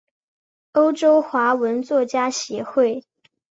欧洲华文作家协会。